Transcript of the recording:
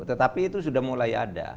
tetapi itu sudah mulai ada